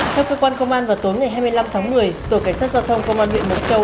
theo cơ quan công an vào tối ngày hai mươi năm tháng một mươi tổ cảnh sát giao thông công an huyện mộc châu